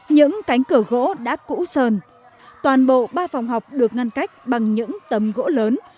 những cánh cửa gỗ đã cũ sơn toàn bộ ba phòng học được ngăn cách bằng những tấm gỗ lớn